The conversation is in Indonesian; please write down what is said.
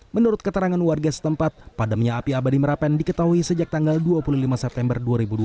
menurut keterangan warga setempat padamnya api abadi merapen diketahui sejak tanggal dua puluh lima september dua ribu dua puluh